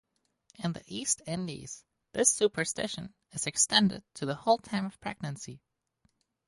In the East Indies this superstition is extended to the whole time of pregnancy.